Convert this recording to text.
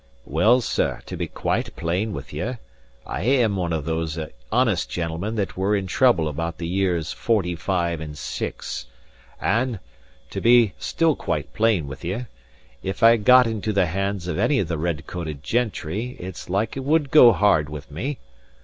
"Well, sir, to be quite plain with ye, I am one of those honest gentlemen that were in trouble about the years forty five and six; and (to be still quite plain with ye) if I got into the hands of any of the red coated gentry, it's like it would go hard with me.